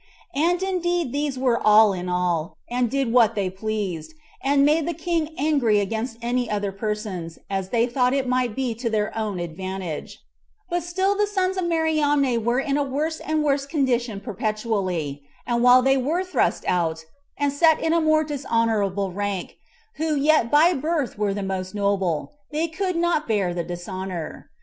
And indeed these were all in all, and did what they pleased, and made the king angry against any other persons, as they thought it might be to their own advantage; but still the sons of Mariamne were in a worse and worse condition perpetually; and while they were thrust out, and set in a more dishonorable rank, who yet by birth were the most noble, they could not bear the dishonor.